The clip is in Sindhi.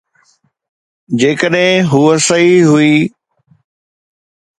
جيڪڏهن هوء صحيح هئي.